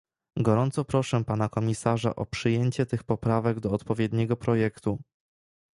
Gorąco proszę pana komisarza o przyjęcie tych poprawek do odpowiedniego projektu